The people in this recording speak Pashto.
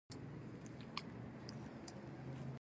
دا ریاضي پوه یو فرانسوي انجنیر وو چې دغه آله یې اختراع کړه.